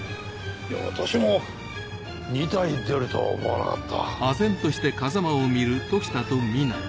いや私も２体出るとは思わなかった。